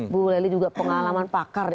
bu lely juga pengalaman pakar